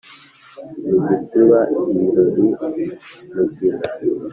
ntigisiba ibirori mugina